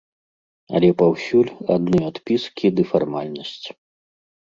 Але паўсюль адны адпіскі ды фармальнасць.